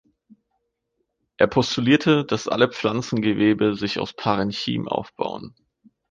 Er postulierte, dass alle Pflanzengewebe sich aus Parenchym aufbauen.